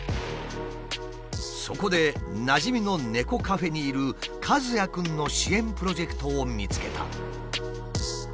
そこでなじみの猫カフェにいるかずやくんの支援プロジェクトを見つけた。